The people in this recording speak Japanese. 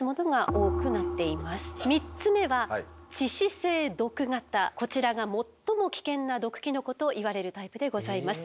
３つ目はこちらが最も危険な毒キノコといわれるタイプでございます。